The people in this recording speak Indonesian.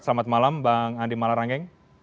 selamat malam bang andi malarangeng